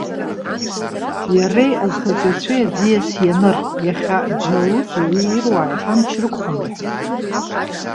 Иареи азхаҵаҩцәеи аӡиас ианыр. Иахьа Џьалути уи ируааи ҳамч рықәхом,- рҳәеит.